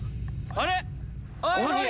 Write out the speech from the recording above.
あれ？